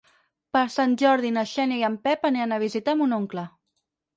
Per Sant Jordi na Xènia i en Pep aniran a visitar mon oncle.